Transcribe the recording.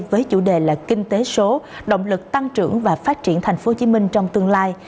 với chủ đề là kinh tế số động lực tăng trưởng và phát triển tp hcm trong tương lai